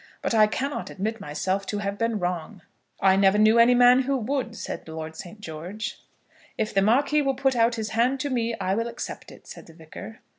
But I cannot admit myself to have been wrong." "I never knew any man who would," said Lord St. George. "If the Marquis will put out his hand to me, I will accept it," said the Vicar.